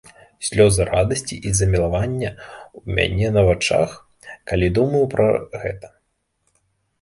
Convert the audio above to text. Слёзы радасці і замілавання ў мяне на вачах, калі думаю пра гэта.